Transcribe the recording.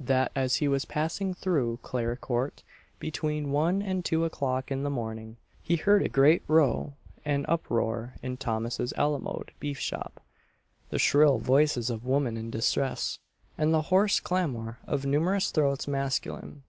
that as he was passing through Clare court, between one and two o'clock in the morning, he heard a great row and uproar in Thomas's alamode beef shop the shrill voices of women in distress, and the hoarse clamour of numerous throats masculine.